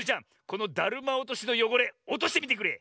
このだるまおとしのよごれおとしてみてくれ。